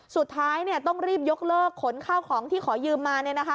สุดท้ายเนี่ยต้องรีบยกเลิกขนข้าวของที่ขอยืมมาเนี่ยนะคะ